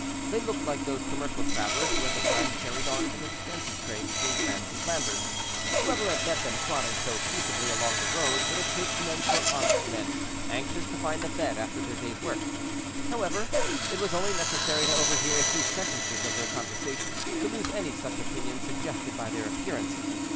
They looked like those commercial travelers who at that time carried on an extensive trade between France and Flanders. Whoever had met them trotting so peaceably along the road would have taken them for honest men, anxious to find a bed after their day's work. However, it was only necessary to overhear a few sentences of their conversation to lose any such opinion suggested by their appearance.